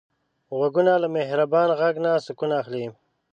غوږونه له مهربان غږ نه سکون اخلي